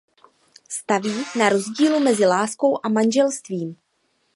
Staví na rozdílu mezi láskou a manželstvím.